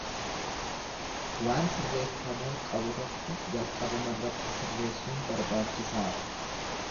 Waan sirreeffamuu qabu tokko jalqabumarratti sirreessuun barbaachisaadha.